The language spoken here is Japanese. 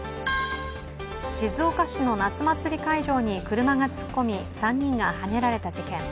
静岡市の夏祭り会場に車が突っ込み３人がはねられた事件。